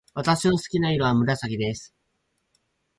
私の好きな色は紫です。